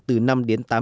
từ năm đến một mươi ngày